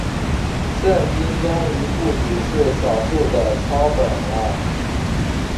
圣经终于不只是少数的抄本了。